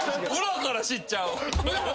裏から知っちゃう。